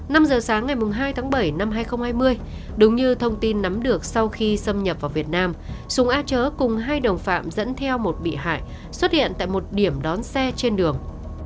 năm giờ sáng ngày hai tháng bảy năm hai nghìn hai mươi đúng như thông tin nắm được sau khi xâm nhập vào việt nam sùng a chớ cùng hai đồng phạm dẫn theo một bị hại xuất hiện tại một điểm đón xe trên đường